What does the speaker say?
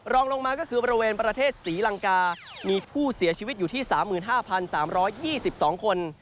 รองลงมาก็คือบริเวณประเทศศรีลังกามีผู้เสียชีวิตอยู่ที่๓๕๓๒๒คน